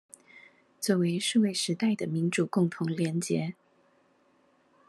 作為數位時代的民主共同連結